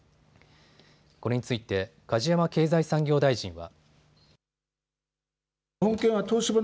これについて梶山経済産業大臣は。